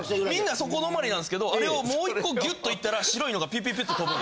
皆そこ止まりなんですけどあれをもう１個ギュッといったら白いのがピュピュピュっと飛ぶ。